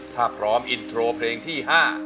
ถ้าพร้อมอินโทรเพลงที่๕